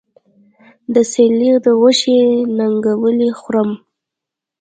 د سېرلي د غوښې ننګولی خورم